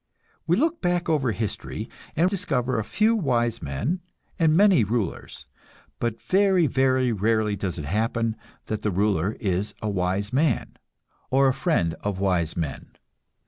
We look back over history, and discover a few wise men, and many rulers; but very, very rarely does it happen that the ruler is a wise man, or a friend of wise men.